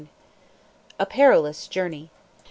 A PERILOUS JOURNEY.